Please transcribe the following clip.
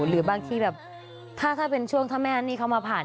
หรือบางทีแบบถ้าเป็นช่วงถ้าแม่นี่เขามาผ่าน